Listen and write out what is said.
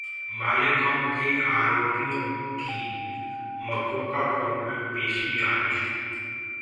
मालेगांव के आरोपियों की मकोका कोर्ट में पेशी आज